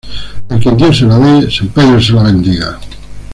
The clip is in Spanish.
A quien Dios se la dé, San Pedro se la bendiga